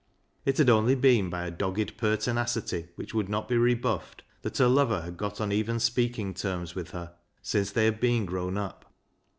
It had only been by a dogged pertinacity which would not be rebuffed that her lover had got on even speaking terms with her since they had been grown up.